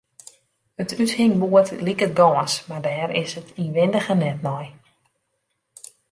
It úthingboerd liket gâns, mar dêr is 't ynwindige net nei.